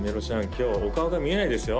今日はお顔が見えないですよ